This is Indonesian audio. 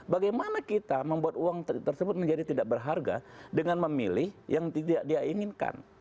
bagaimana kita membuat uang tersebut menjadi tidak berharga dengan memilih yang tidak dia inginkan